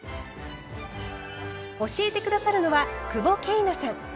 教えて下さるのは久保桂奈さん。